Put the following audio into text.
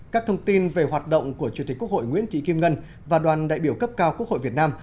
các thông tin về hoạt động của chủ tịch quốc hội nguyễn thị kim ngân và đoàn đại biểu cấp cao quốc hội việt nam